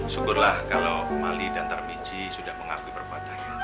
syukurlah kalau malik dan tarmizi sudah mengakui berpatahnya